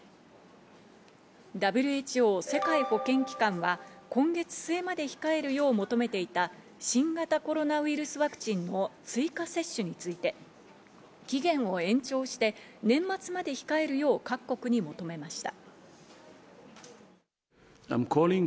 ＷＨＯ＝世界保健機関は今月末まで控えるよう求めていた、新型コロナウイルスワクチンの追加接種について、期限を延長して年末まで控えるよう各国に求めました。